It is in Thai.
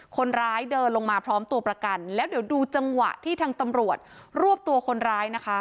คนร้ายเดินลงมาพร้อมตัวประกันแล้วเดี๋ยวดูจังหวะที่ทางตำรวจรวบตัวคนร้ายนะคะ